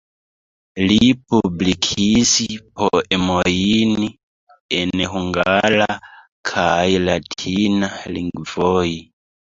Li publikis poemojn en hungara kaj latina lingvoj.